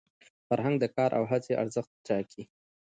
فرهنګ د کار او هڅي ارزښت ټاکي.